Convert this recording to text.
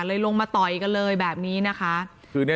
ลงมาต่อยกันเลยแบบนี้นะคะ